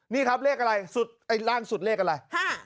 นี่ครับเลขอะไรร่างสุดเลขอะไร